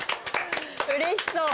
うれしそう。